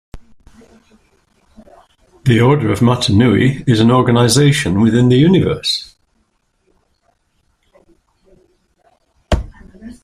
The Order of Mata Nui is an organization within the universe.